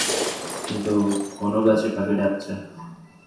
কিন্তু কোনো গাছে পাখি ডাকছে না।